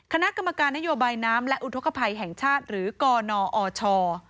คณะกรรมการนโยบายน้ำและอุทธกภัยแห่งชาติหรือกนอช